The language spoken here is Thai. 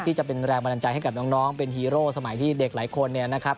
จะเป็นแรงบันดาลใจให้กับน้องเป็นฮีโร่สมัยที่เด็กหลายคนเนี่ยนะครับ